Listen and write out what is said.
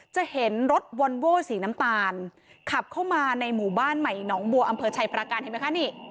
จะเห็นรถวอนโว้สีน้ำตาลขับเข้ามาในหมู่บ้านใหม่หนองบัวอำเภอชัยประการเห็นไหมคะนี่